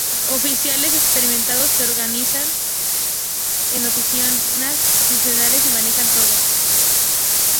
Oficiales experimentados se organizan en oficinas funcionales y manejan todo.